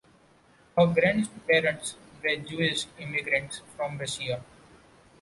Her grandparents were Jewish immigrants from Russia.